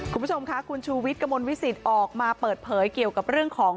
คุณผู้ชมค่ะคุณชูวิทย์กระมวลวิสิตออกมาเปิดเผยเกี่ยวกับเรื่องของ